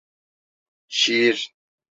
Şiir?